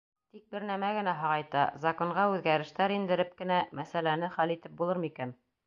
Тик бер нәмә генә һағайта: законға үҙгәрештәр индереп кенә мәсьәләне хәл итеп булыр микән?